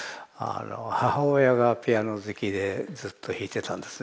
母親がピアノ好きでずっと弾いてたんですね。